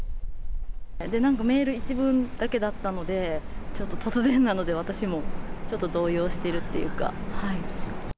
なんか、メール一文だけだったので、ちょっと突然なので、私もちょっと動揺してるっていうか。